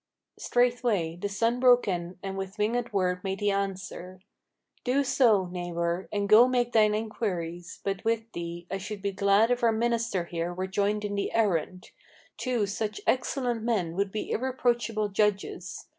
Straightway the son broke in, and with wing'ed words made he answer: "Do so, neighbor, and go and make thine inquiries; but with thee I should be glad if our minister here were joined in the errand: Two such excellent men would be irreproachable judges.